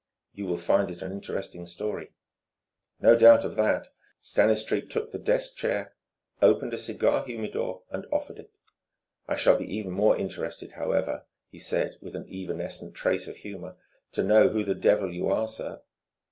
"You will find it an interesting story." "No doubt of that." Stanistreet took the desk chair, opened a cigar humidor, and offered it. "I shall be even more interested, however," he said with an evanescent trace of humour, "to know who the devil you are, sir."